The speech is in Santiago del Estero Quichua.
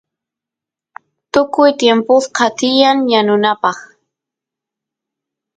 tukuy timpusqa tiyan yanunapaq